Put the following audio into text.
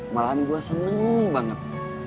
malahan gue seneng banget